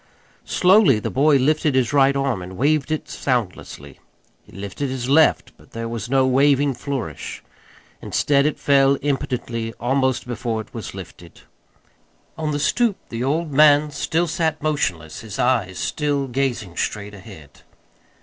Slowly the boy lifted his right arm and waved it soundlessly. He lifted his left but there was no waving flourish. Instead it fell impotently almost before it was lifted. On the stoop the old man still sat motionless, his eyes still gazing straight ahead.